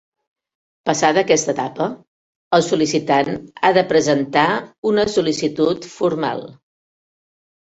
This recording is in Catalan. Passada aquesta etapa, el sol·licitant ha de presentar una sol·licitud formal.